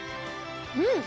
うん！